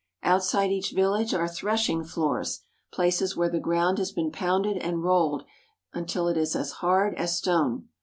Outside each village are threshing floors, places where the ground has been pounded and rolled until it is as hard as stone.